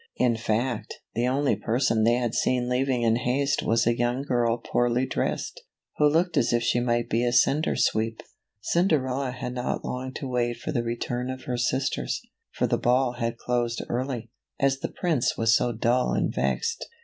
In fact, the only person they had seen leaving in haste was a young girl poorly dressed, who looked as if she might be a cinder sweep. Cinderella had not long to wait for the return of her sisters; for the ball had closed early, as the Prince was so dull and vexed.